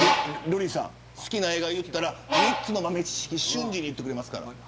瑠麗さん、好きな映画言ったら３つの豆知識瞬時に言ってくれますから。